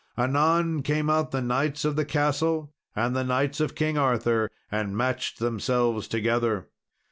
Anon came out the knights of the castle and the knights of King Arthur, and matched themselves together.